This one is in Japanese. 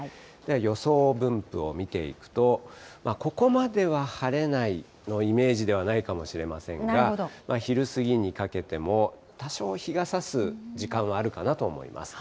予想分布を見ていくと、ここまでは晴れないのイメージではないかもしれませんが、昼過ぎにかけても多少日がさす時間はあるかなと思います。